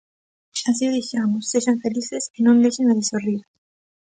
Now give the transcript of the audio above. Así o deixamos, sexan felices e non deixen de sorrir.